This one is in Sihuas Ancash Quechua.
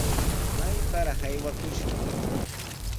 ¡Mayparaq aywakushqa!